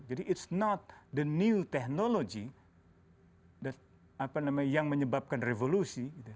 jadi itu bukan teknologi baru yang menyebabkan revolusi